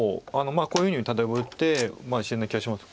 こういうふうに例えば打って死なない気がします。